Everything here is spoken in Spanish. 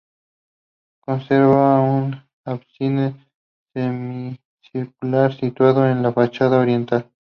Conserva un ábside semicircular, situado en la fachada oriental.